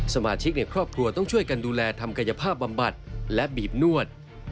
สมาชิกในครอบครัวต้องช่วยกันดูแลทำกายภาพบำบัดและบีบนวด